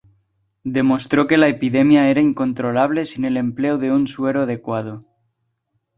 Demostró que la epidemia era incontrolable sin el empleo de un suero adecuado.